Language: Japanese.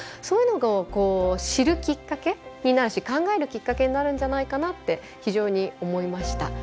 そういうのを知るきっかけになるし考えるきっかけになるんじゃないかなって非常に思いました。